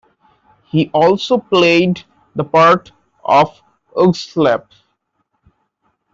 He also played the part of Ugslap.